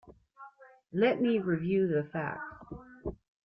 Let me review the facts.